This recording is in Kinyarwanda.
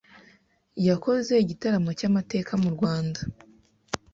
yakoze igitaramo cy’amateka mu Rwanda